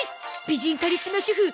美人カリスマ主婦